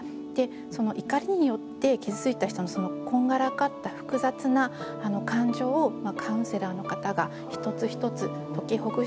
その怒りによって傷ついた人のこんがらかった複雑な感情をカウンセラーの方が一つ一つ解きほぐしている。